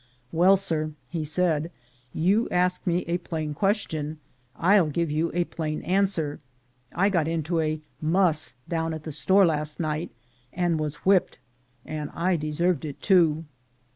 "Well, sir," he said, "you ask me a plain question, I'll give you a plain answer. I got into a 'muss' down at the store last night, and was whip ped; and I deserved it too."